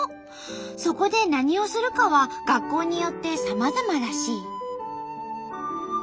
そこで何をするかは学校によってさまざまらしい。